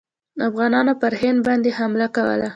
افغانانو پر هند باندي حمله کوله.